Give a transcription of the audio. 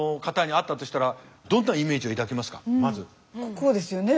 こうですよね。